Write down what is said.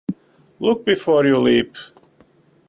Look before you leap.